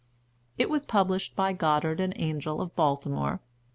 It was published by Goddard and Angell of Baltimore.